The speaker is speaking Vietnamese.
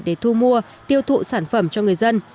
để thu mua tiêu thụ sản phẩm cho người dân